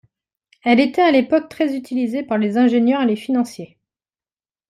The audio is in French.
Elle était à l'époque très utilisée par les ingénieurs et les financiers.